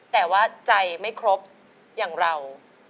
แต่ว่าใจไม่ครบอย่างเรา